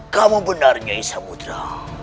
kamu benarnya isamudra